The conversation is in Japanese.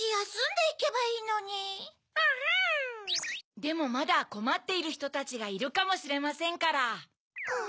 でもまだこまっているひとたちがいるかもしれませんから。